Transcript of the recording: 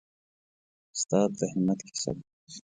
استاد د همت کیسه ده.